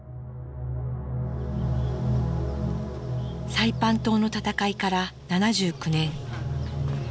サイパン島の戦いから７９年。